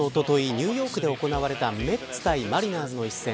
ニューヨークで行われたメッツ対マリナーズの一戦。